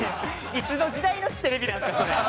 いつの時代のテレビなんですかそれ。